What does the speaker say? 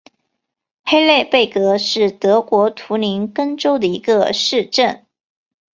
黑内贝格是德国图林根州的一个市镇。